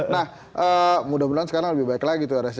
nah mudah mudahan sekarang lebih baik lagi tuh rsc